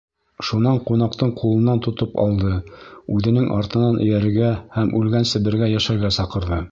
Шунан ҡунаҡтың ҡулынан тотоп алды, үҙенең артынан эйәрергә һәм үлгәнсе бергә йәшәргә саҡырҙы.